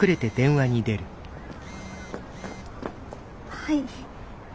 はい。